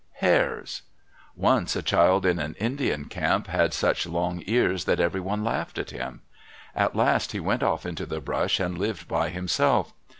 Hares.—Once a child in an Indian camp had such long ears that everyone laughed at him. At last he went off into the brush and lived by himself.